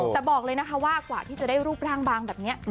แต่บอกเลยนะคะว่ากว่าที่จะได้รูปร่างบางแบบนี้